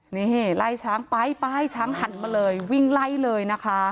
นี่ไล่ช้างไปไปช้างหันมาเลยวิ่งไล่เลยนะคะ